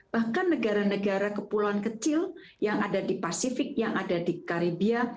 bahkan negara negara kepulauan kecil yang ada di pasifik yang ada di karibia